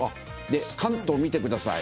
で関東見てください。